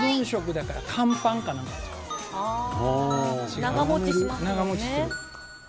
長もちする。